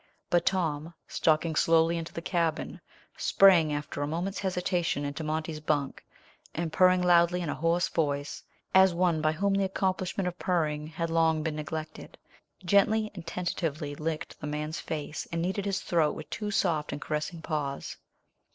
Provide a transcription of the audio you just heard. But Tom, stalking slowly into the cabin, sprang after a moment's hesitation into Monty's bunk, and purring loudly in a hoarse voice, as one by whom the accomplishment of purring had long been neglected, gently and tentatively licked the man's face, and kneaded his throat with two soft and caressing paws.